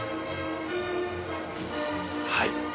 はい。